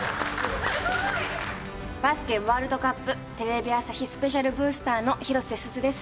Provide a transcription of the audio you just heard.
バスケワールドカップテレビ朝日スペシャルブースターの広瀬すずです。